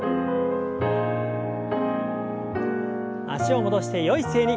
脚を戻してよい姿勢に。